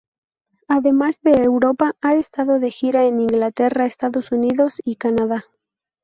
Además de Europa, ha estado de gira en Inglaterra, Estados Unidos y Canadá.